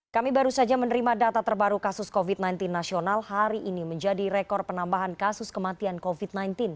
kami baru saja menerima data terbaru kasus covid sembilan belas nasional hari ini menjadi rekor penambahan kasus kematian covid sembilan belas